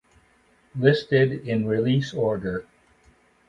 Listed in release order.